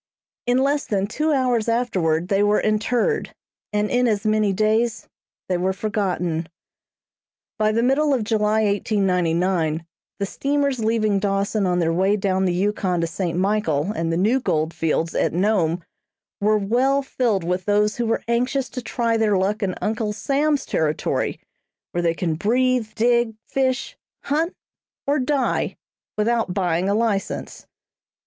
In less than two hours afterward they were interred, and in as many days they were forgotten. By the middle of July, 1899, the steamers leaving Dawson on their way down the Yukon to St. Michael and the new gold fields at Nome, were well filled with those who were anxious to try their luck in Uncle Sam's territory where they can breathe, dig, fish, hunt, or die without buying a license.